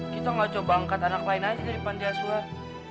kita gak coba angkat anak lain aja dari pandai asuhan